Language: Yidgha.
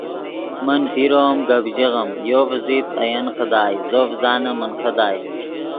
من پیرو ام گپ ژیغیم یو ڤزیت اے ین خدائے زو ڤزانیم من خدائے